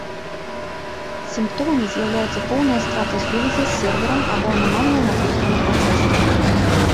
Сімптомамі з'яўляюцца поўная страта сувязі з серверам або анамальная нагрузка на працэсар.